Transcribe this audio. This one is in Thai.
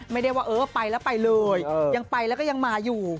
ไม่ได้ว่าเออไปแล้วไปเลยยังไปแล้วก็ยังมาอยู่